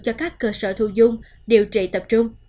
cho các cơ sở thu dung điều trị tập trung